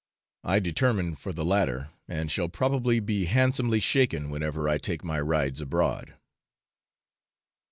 I determined for the latter, and shall probably be handsomely shaken whenever I take my rides abroad.